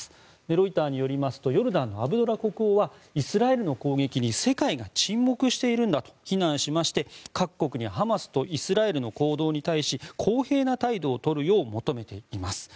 ロイターによりますとヨルダンのアブドラ国王はイスラエルの攻撃に世界が沈黙しているんだと非難しまして各国にハマスとイスラエルの行動に対し公平な態度をとるよう求めています。